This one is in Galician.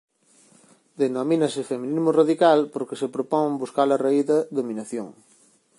Denomínase feminismo radical porque se propón buscar a raíz da dominación.